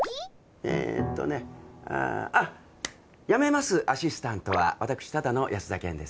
えっとねああっやめますアシスタントは私ただの安田顕です